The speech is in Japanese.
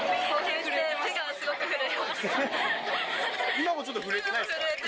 今もちょっと震えてないですか？